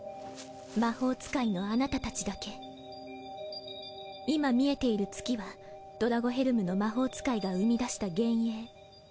魔法使いのあなたたちだけいま見えている月はドラゴヘルムの魔法使いが生み出した幻影